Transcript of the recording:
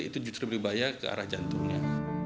itu justru lebih bahaya ke arah jantungnya